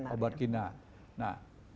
obat kina sebenarnya